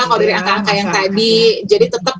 kalau dari angka angka yang tadi jadi tetap